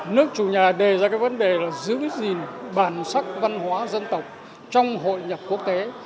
nước chủ nhà đề ra cái vấn đề là giữ gìn bản sắc văn hóa dân tộc trong hội nhập quốc tế